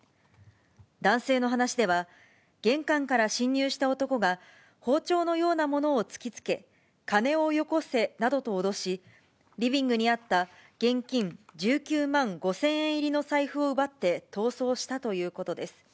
男性の話では、玄関から侵入した男が、包丁のようなものを突きつけ、金をよこせなどと脅し、リビングにあった現金１９万５０００円入りの財布を奪って逃走したということです。